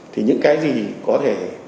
thì những cái gì có thể